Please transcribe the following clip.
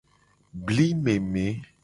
Bli meme.